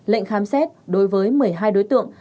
lệnh khám xét đối với một mươi hai đối tượng